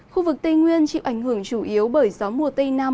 khu vực tây nguyên chịu ảnh hưởng chủ yếu bởi gió mùa tây nam